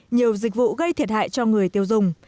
nhiều dịch vụ gây thiệt hại cho người tiêu dùng